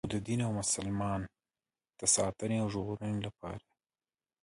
او د دین او مسلمان د ساتنې او ژغورنې لپاره یې.